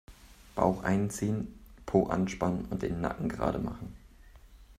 Bauch einziehen, Po anspannen und den Nacken gerade machen.